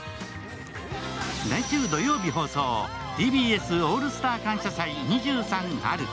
来週土曜日放送、ＴＢＳ「オールスター感謝祭’２３春」